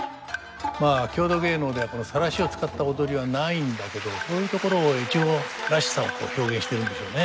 まあ郷土芸能ではこの晒しを使った踊りはないんだけどこういうところで越後らしさを表現しているんでしょうね。